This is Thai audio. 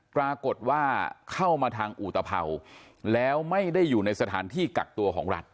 ปรากฏว่าเข้ามาทางอุตภัวร์แล้วไม่ได้อยู่ในสถานที่กักตัวของรัฐ